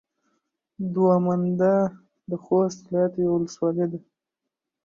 دوه منده د خوست ولايت يوه ولسوالي ده.